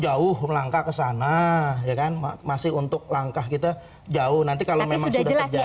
jauh melangkah ke sana ya kan masih untuk langkah kita jauh nanti kalau memang sudah terjadi